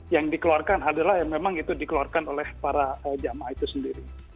yang dikeluarkan adalah yang memang itu dikeluarkan oleh para jamaah itu sendiri